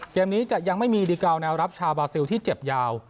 เกมนี้จะยังไม่มีดีกาลแนวรับชาวบาซิลที่เจ็บยาว